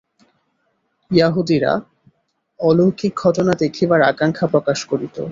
য়াহুদীরা অলৌকিক ঘটনা দেখিবার আকাঙ্ক্ষা প্রকাশ করিত।